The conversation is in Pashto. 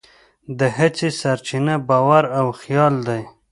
د هڅې سرچینه باور او خیال دی.